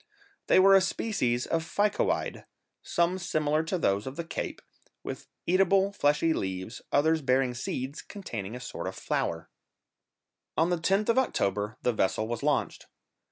They were a species of ficoide, some similar to those of the Cape, with eatable fleshy leaves, others bearing seeds containing a sort of flour. On the 10th of October the vessel was launched.